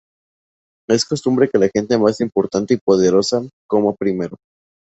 Es costumbre que la gente más importante y poderosa coma primero.